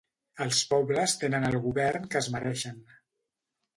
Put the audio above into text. Els pobles tenen el govern que es mereixen.